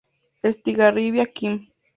Estigarribia Km.